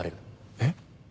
えっ？